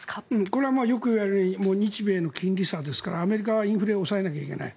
これはよくいわれる日米の金利差ですからアメリカはインフレを抑えなければいけない。